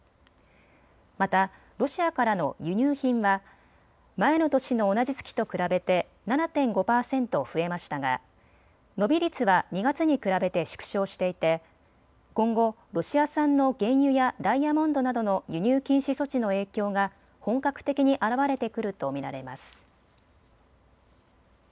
またロシアからの輸入品は前の年の同じ月と比べて７．５％増えましたが伸び率は２月に比べて縮小していて今後、ロシア産の原油やダイヤモンドなどの輸入禁止措置の影響が本格的に表れてくると見られます。